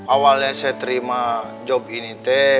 awalnya saya terima job ini teh